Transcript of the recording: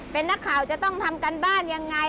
เป็นนักข่าวจะต้องทำการบ้านยังไง